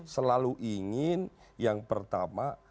selalu ingin yang pertama